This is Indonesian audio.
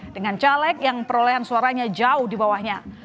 dengan caleg yang perolehan suaranya jauh di bawahnya